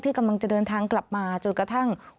กำลังจะเดินทางกลับมาจนกระทั่ง